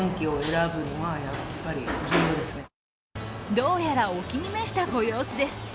どうやらお気に召したご様子です。